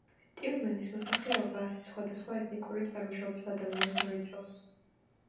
ტიუმენის მოსახლეობა ასი სხვადასხვა ეთნიკური წარმოშობის ადამიანს მოიცავს.